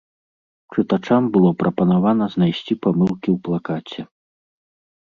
Чытачам было прапанавана знайсці памылкі ў плакаце.